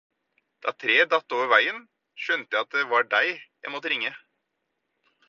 Da treet datt over veien, skjønte jeg at det var deg jeg måtte ringe.